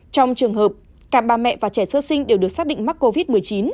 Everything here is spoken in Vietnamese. trong trường hợp cả ba mẹ và trẻ sơ sinh đều được xác định mắc covid một mươi chín